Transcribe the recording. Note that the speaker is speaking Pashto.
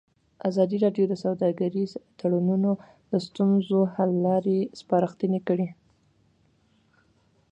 ازادي راډیو د سوداګریز تړونونه د ستونزو حل لارې سپارښتنې کړي.